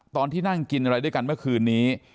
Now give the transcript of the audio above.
ตอนที่นั่งกินอะไรด้วยกันเมื่อคืนนี้